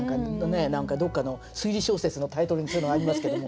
何かどっかの推理小説のタイトルにそういうのがありますけども。